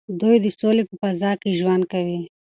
دوی د سولې په فضا کې ژوند کوي.